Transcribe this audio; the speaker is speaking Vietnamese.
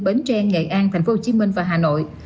bến tre nghệ an thành phố hồ chí minh và hà nội